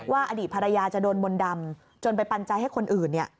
ว่าอดีตภรรยาจะโดนบนดำจนไปปัญญาให้คนอื่นเนี่ย